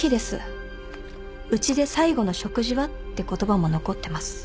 「うちで最後の食事は？」って言葉も残ってます。